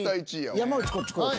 山内こっち来い。